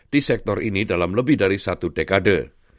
di sektor ini dalam lebih dari satu dekade